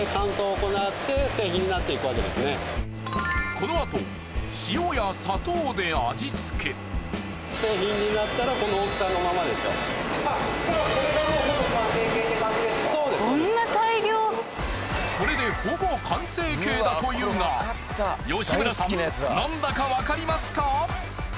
このあとこれでほぼ完成形だというが吉村さん何だかわかりますか？